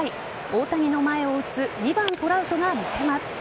大谷の前を打つ２番・トラウトが見せます。